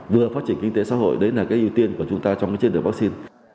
vừa phát triển kinh tế xã hội đấy là cái ưu tiên của chúng ta trong trên đường vaccine